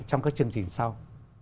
trong các chương trình sau